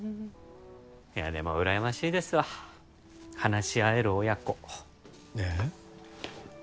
いやでも羨ましいですわ話し合える親子ええ？